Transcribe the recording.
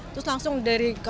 terus langsung dari